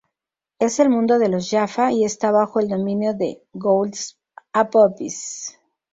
Es el mundo de los Jaffa y está bajo el dominio del Goa'uld Apophis.